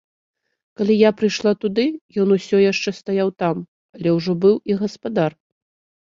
Калі я прыйшла туды, ён усё яшчэ стаяў там, але ўжо быў і гаспадар.